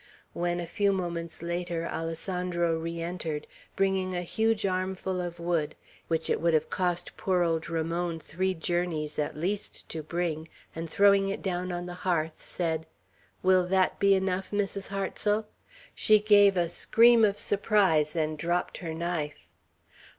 When, a few moments later, Alessandro re entered, bringing a huge armful of wood, which it would have cost poor old Ramon three journeys at least to bring, and throwing it down, on the hearth, said, "Will that be enough, Mrs. Hartsel?" she gave a scream of surprise, and dropped her knife.